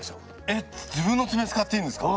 えっ自分のツメ使っていいんですか？